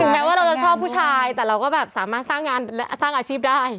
แม้ว่าเราจะชอบผู้ชายแต่เราก็แบบสามารถสร้างงานสร้างอาชีพได้